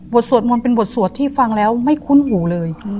สวดมนต์เป็นบทสวดที่ฟังแล้วไม่คุ้นหูเลย